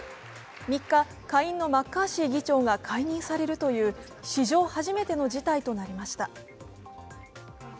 ３日、下院のマッカーシー議長が解任されるという史上初めての事態となりました。